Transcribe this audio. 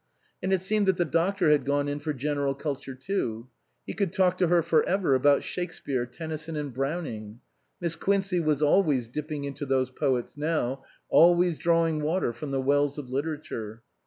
And it seemed that the doctor had gone in for General Culture too. He could talk to her for ever about Shake speare, Tennyson and Browning. Miss Quincey was always dipping into those poets now, always drawing water from the wells of literature.